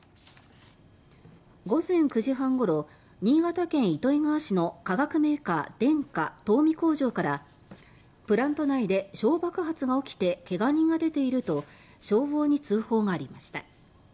午前９時半頃新潟県糸魚川市の化学メーカーデンカ田海工場から「プラント内で小爆発が起きてけが人が出ている」と消防に通報がありました。